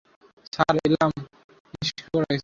Sir, alarm নিষ্ক্রিয় করা হয়েছে।